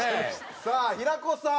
さあ平子さん！